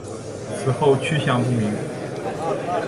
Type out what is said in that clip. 此后去向不明。